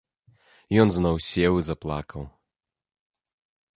Ён зноў сеў і заплакаў.